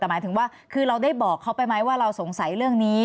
แต่หมายถึงว่าคือเราได้บอกเขาไปไหมว่าเราสงสัยเรื่องนี้